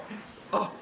あっ。